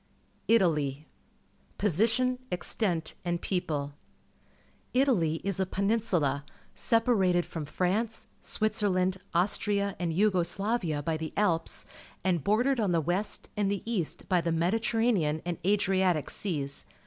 ITALY t^ Position, Extent, and People. — Italy is a peninsula, separated from France, Switzer land, Austria, and Yugo Slavia by the Alps, and bordered on the west and the east by the Mediterranean and Adriatic Seas.